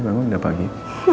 bangun sudah pagi